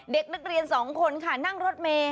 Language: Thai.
เด็กนักเรียนสองคนค่ะนั่งรถเมย์